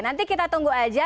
nanti kita tunggu aja